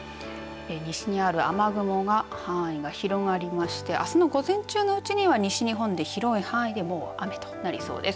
西にある雨雲が範囲が広がりましてあすの午前中のうちには西日本で広い範囲で雨となりそうです。